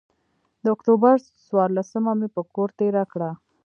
د اکتوبر څورلسمه مې پر کور تېره کړه.